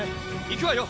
行くわよ！